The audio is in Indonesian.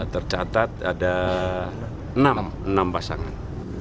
tercatat ada enam pasangan